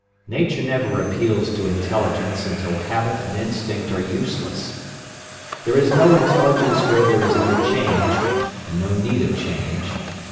Nature never appeals to intelligence until habit and instinct are useless. There is no intelligence where there is no change and no need of change.